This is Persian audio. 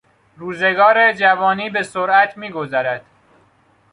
روزگار جوانی به سرعت میگذرد.